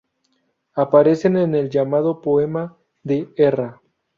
Aparecen en el llamado Poema de Erra.